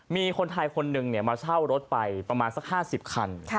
มีคนไทยคนหนึ่งมาเช่ารถไปประมาณสัก๕๐คัน